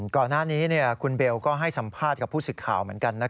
ก่อนหน้านี้คุณเบลก็ให้สัมภาษณ์กับผู้สื่อข่าวเหมือนกัน